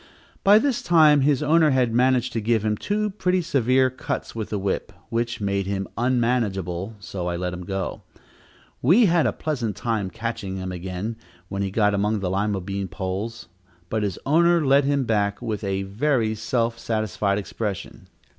By this time his owner had managed to give him two pretty severe cuts with the whip, which made him unmanageable, so I let him go. We had a pleasant time catching him again, when he got among the Lima bean poles; but his owner led him back with a very self satisfied expression.